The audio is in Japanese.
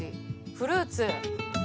フルーツ！